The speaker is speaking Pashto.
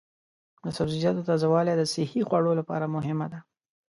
د سبزیجاتو تازه والي د صحي خوړو لپاره مهمه ده.